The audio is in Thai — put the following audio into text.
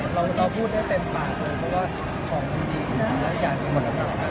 แล้วเราพูดให้เต็มปากเลยก็ว่าของที่ดีเราก็จะอย่างงี้มาก